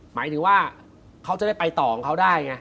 หมายถึงว่าเขาจะได้ไปต่อของเขาได้ไง